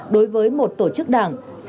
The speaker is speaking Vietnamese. đối với một tổ chức đảng